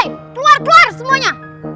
oi keluar keluar semuanya